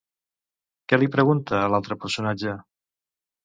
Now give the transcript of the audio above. Què li pregunta a l'altre personatge?